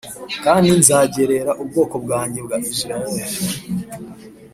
Kandi nzagerera ubwoko bwanjye bwa Isirayeli